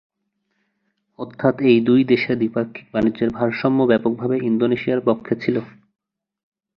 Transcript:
অর্থাৎ এই দুই দেশের দ্বিপাক্ষিক বাণিজ্যের ভারসাম্য ব্যাপকভাবে ইন্দোনেশিয়ার পক্ষে ছিল।